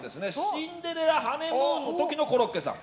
「シンデレラハネムーン」の時のコロッケさん。